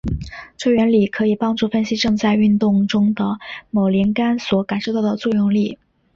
这原理可以帮助分析正在运动中的某连杆所感受到的作用力。